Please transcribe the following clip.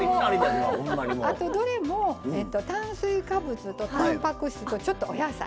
どれも炭水化物とたんぱく質とちょっとお野菜。